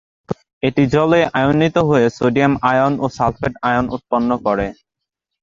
এটি জলে আয়নিত হয়ে সোডিয়াম আয়ন ও সালফেট আয়ন উৎপন্ন করে।